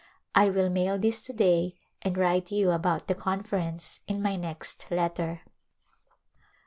I will mail this to day and write you about the Con ference in my next letter.